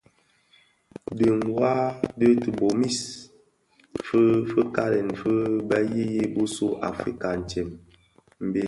Dhi ňwad tibomis bi fikalèn fi bë yiyis bisu u Afrika ntsem mbiň.